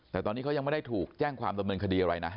แต่ตอนนี้เขายังไม่ได้ถูกแจ้งความดำเนินคดีอะไรนะ